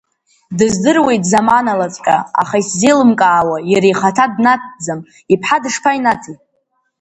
Дыздыруеит заманалаҵәҟьа, аха исзеилымкаауа, иара ихаҭа днаҭӡам, иԥҳа дышԥаинаҭи?